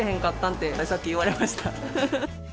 って、さっき言われました。